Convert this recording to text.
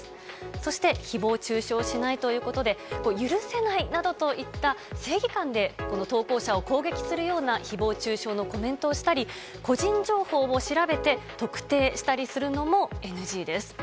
そして、ひぼう中傷しないということで、許せないなどといった正義感でこの投稿者を攻撃するようなひぼう中傷のコメントをしたり、個人情報を調べて特定したりするのもＮＧです。